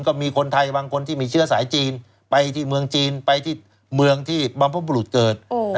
ก็มีคนไทยบางคนที่มีเชื้อสายจีนไปที่เมืองจีนไปที่เมืองที่บรรพบุรุษเกิด